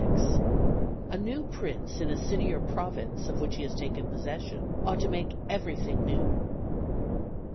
—_A new Prince in a City or Province of which he has taken Possession, ought to make Everything new.